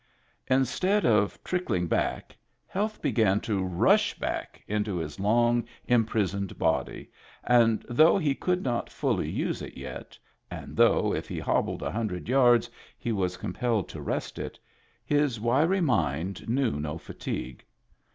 Instead of trickling back, health began to rush back into his long imprisoned body, and though he could not fully use it yet, and though if he hobbled a hundred yards he was compelled to rest it, his wiry mind knew no fatigue.